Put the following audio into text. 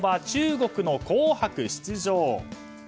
中国の「紅白」出場。